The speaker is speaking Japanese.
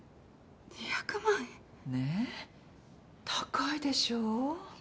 ねぇ高いでしょ？